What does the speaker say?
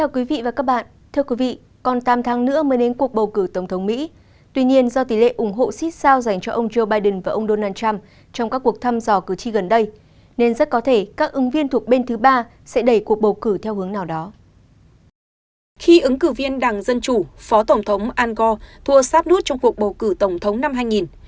các bạn hãy đăng ký kênh để ủng hộ kênh của chúng mình nhé